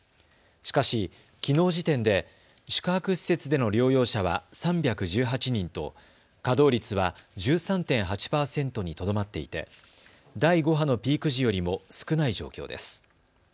しかし、きのう時点で宿泊施設での療養者は３１８人と稼働率は１３．８％にとどまっていて第５波のピーク時よりも少ない状況です。